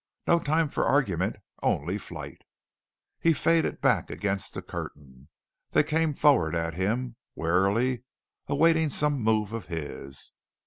No time for argument, only flight. He faded back against the curtain. They came forward at him, warily awaiting some move of his.